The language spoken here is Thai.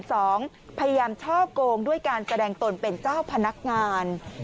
พยายามช่อกงด้วยการแสดงตนเป็นเจ้าพนักงาน